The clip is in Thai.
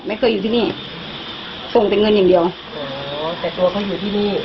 ไม่เคยอยู่ที่นี่ส่งแต่เงินอย่างเดียวแต่ตัวเขาอยู่ที่นี่